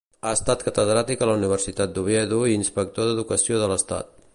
Ha estat Catedràtic de la Universitat d'Oviedo i inspector d'Educació de l'Estat.